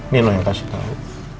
minum yang kasih tau